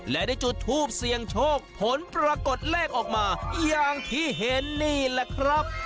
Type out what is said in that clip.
และได้จุดทูปเสี่ยงโชคผลปรากฏเลขออกมาอย่างที่เห็นนี่แหละครับ